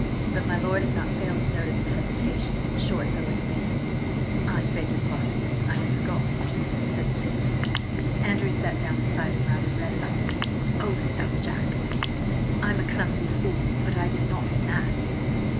But my lord had not failed to notice the hesitation, short though it had been. "I–beg your pardon. I had forgot," he said stiffly. Andrew sat down beside him, rather red about the ears. "Oh, stuff, Jack! I'm a clumsy fool, but I did not mean that!"